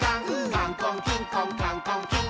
「カンコンキンコンカンコンキン！」